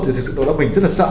thì thực sự đó là mình rất là sợ